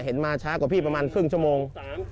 มาช้ากว่าพี่ประมาณครึ่งชั่วโมง